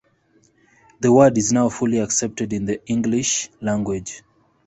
The word is now fully accepted into the English language.